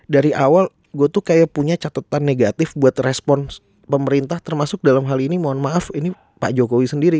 dari awal gue tuh kayak punya catatan negatif buat respon pemerintah termasuk dalam hal ini mohon maaf ini pak jokowi sendiri